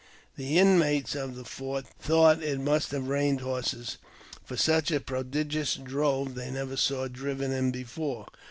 The inmates of the fort thought it must have rained horses, for such a prodigious drove they never sa^ driven in before.